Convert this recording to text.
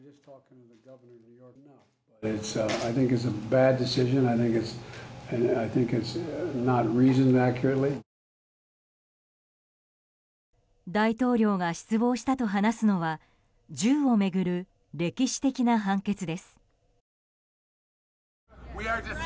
大統領が失望したと話すのは銃を巡る歴史的な判決です。